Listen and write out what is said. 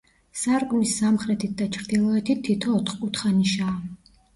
სარკმლის სამხრეთით და ჩრდილოეთით თითო ოთხკუთხა ნიშაა.